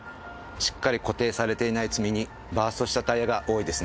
しっかり固定されていない積み荷バーストしたタイヤが多いですね。